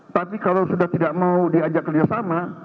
tapi kalau sudah tidak mau diajak kerjasama